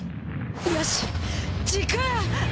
よし「時空」。